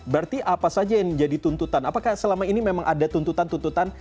berarti apa saja yang jadi tuntutan apakah selama ini memang ada tuntutan tuntutan